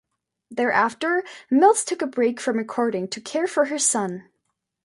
Thereafter, Mills took a break from recording to care for her son.